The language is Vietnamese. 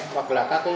hoặc là các đơn vị